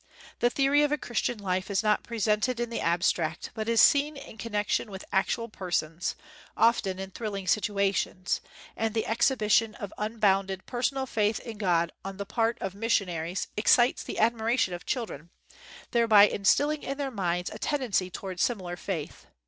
The theory of a Christian life is not presented in the abstract, but is seen in connection with actual persons, often in thrilling situations, and the exhibition of unbounded personal faith in God on the part ix INTRODUCTION of missionaries excites the admiration of children, thereby instilling in their minds a tendency toward similar faith.